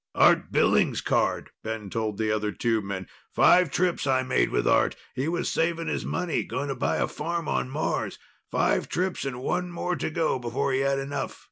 "Art Billing's card!" Ben told the other tubemen. "Five trips I made with Art. He was saving his money, going to buy a farm on Mars. Five trips and one more to go before he had enough.